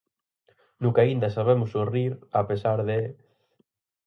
No que aínda sabemos sorrir 'a pesar de...'.